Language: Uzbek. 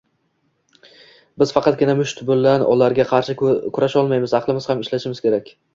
Biz faqatgina musht bilan ularga qarshi kurasholmaymiz, aqlimizni ham ishlatishimiz kerak